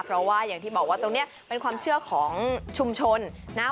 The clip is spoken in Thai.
เพราะว่าอย่างที่บอกว่าตรงนี้เป็นความเชื่อของชุมชนนะ